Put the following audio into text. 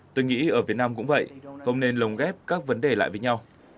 tôi nghĩ ở việt nam cũng vậy không nên lồng ghép các vấn đề lại với nhau